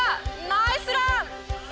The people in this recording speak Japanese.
ナイスラン！